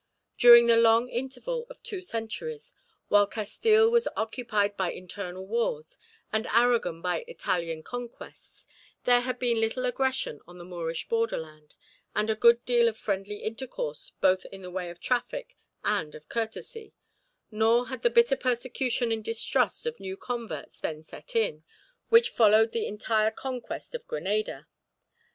During the long interval of two centuries, while Castille was occupied by internal wars, and Aragon by Italian conquests, there had been little aggression on the Moorish borderland, and a good deal of friendly intercourse both in the way of traffic and of courtesy, nor had the bitter persecution and distrust of new converts then set in, which followed the entire conquest of Granada.